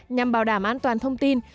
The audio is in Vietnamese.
nhằm bảo đảm an toàn thông tin